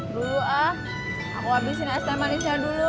aduh ah aku habisin es teh manisnya dulu